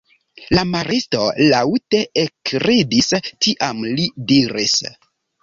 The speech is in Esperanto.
La maristo laŭte ekridis, tiam li diris: